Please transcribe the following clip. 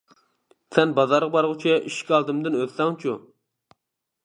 سەن بازارغا بارغۇچە، ئىشىك ئالدىمدىن ئۆتسەڭچۇ!